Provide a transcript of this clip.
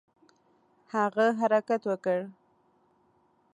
هغه حرکت وکړ.